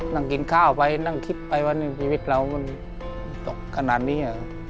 นั่งกินข้าวไปนั่งคิดไปว่าชีวิตเรามันตกขนาดนี้